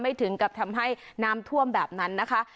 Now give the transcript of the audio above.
ถึงกับทำให้น้ำท่วมแบบนั้นนะคะ